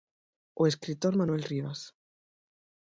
O escritor Manuel Rivas.